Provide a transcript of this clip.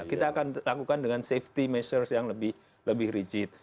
kita akan lakukan dengan safety measures yang lebih rigid